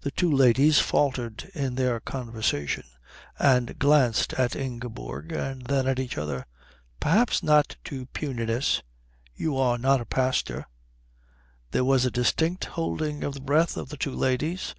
The two ladies faltered in their conversation, and glanced at Ingeborg, and then at each other. "Perhaps not to puniness. You are not a pastor." There was a distinct holding of the breath of the two ladies.